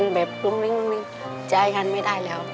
แต่ไหนฮะ